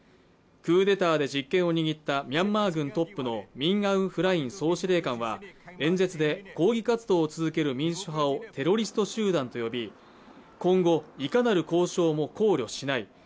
クーデターで実権を握ったミャンマー軍トップのミン・アウン・フライン総司令官は演説で、抗議活動を続ける民主派をテロリスト集団と呼び、今後、いかなる交渉も考慮しない。